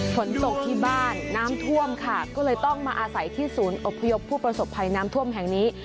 ฝนตกที่บ้านน้ำท่วมค่ะก็เลยต้องมาอาศัยที่ศูนย์อบพยพผู้ประสบภัยน้ำท่วมแห่งนี้